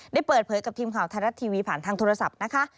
ได้เปิดเผยกับทีมข่าวไทยรัฐทีวีผ่านทางโทรศัพท์นะคะ